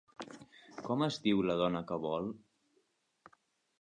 Com es diu la dona que vol?